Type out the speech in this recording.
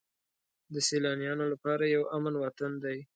د سیلانیانو لپاره یو امن وطن دی.